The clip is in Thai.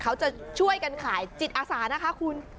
เขาจะช่วยกันขายจิตอาสานะคะคุณ